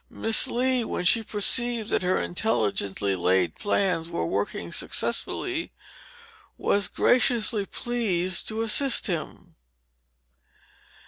Miss Lee, when she perceived that her intelligently laid plans were working successfully, was graciously pleased to assist him.